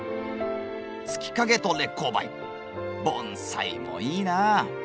月影と烈公梅盆栽もいいなぁ。